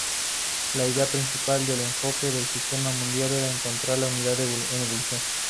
La idea principal del enfoque del sistema mundial era encontrar la unidad en evolución.